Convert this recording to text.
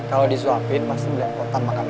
kalau disuapin pasti beli potan makan